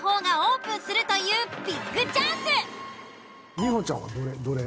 里帆ちゃんはどれ？